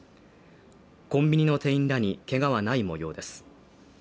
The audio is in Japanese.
コンビニの店員らにけがはない模様です。